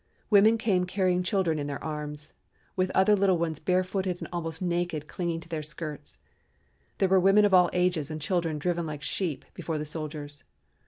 Women came carrying children in their arms, with other little ones barefooted and almost naked clinging to their skirts. There were women of all ages and children driven like sheep before the soldiers.